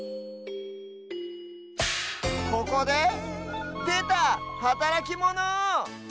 ここででたはたらきモノ！